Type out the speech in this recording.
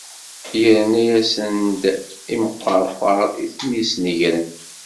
Yerna-asen-d imqerqar i ten-isnegren.